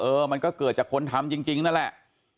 มันก็เกิดจากคนทำจริงนั่นแหละ